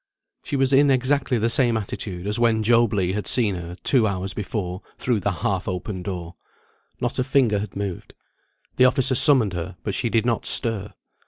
She was in exactly the same attitude as when Job Legh had seen her two hours before through the half open door. Not a finger had moved. The officer summoned her, but she did not stir.